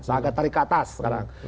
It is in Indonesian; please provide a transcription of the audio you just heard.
seagat tarik atas sekarang